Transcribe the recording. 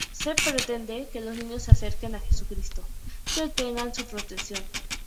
Se pretende que los niños se acerquen a Jesucristo y obtengan su protección.